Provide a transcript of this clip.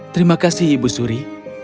terima kasih ibu suri